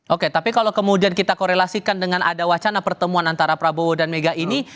oke tapi kalau kemudian kita korelasikan dengan ada wacana pertemuan antara prabowo dan mega ini